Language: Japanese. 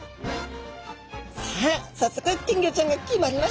さあ早速金魚ちゃんが決まりました。